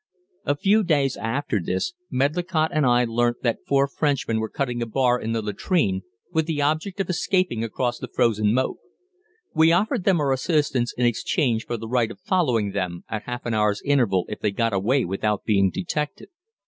A few days after this, Medlicott and I learnt that four Frenchmen were cutting a bar in the latrine with the object of escaping across the frozen moat. We offered them our assistance in exchange for the right of following them at half an hour's interval if they got away without being detected.